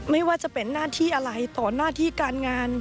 ไม่ว่าจะเป็นหน้าที่อะไรต่อหน้าที่การงาน